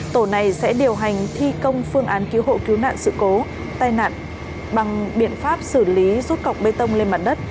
tổ này sẽ điều hành thi công phương án cứu hộ cứu nạn sự cố tai nạn bằng biện pháp xử lý rút cọc bê tông lên mặt đất